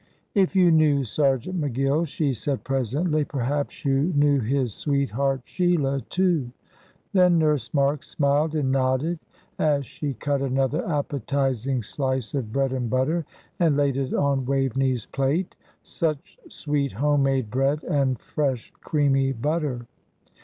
"If you knew Sergeant McGill," she said, presently, "perhaps you knew his sweetheart, Sheila, too." Then Nurse Marks smiled and nodded, as she cut another appetising slice of bread and butter, and laid it on Waveney's plate such sweet home made bread and fresh, creamy butter!